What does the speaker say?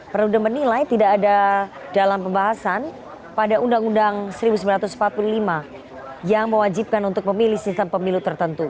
perludem menilai tidak ada dalam pembahasan pada undang undang seribu sembilan ratus empat puluh lima yang mewajibkan untuk memilih sistem pemilu tertentu